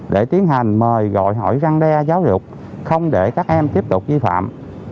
để tiến hành mời gọi hỏi răng đe giáo dục không để các em tiếp tục vi phạm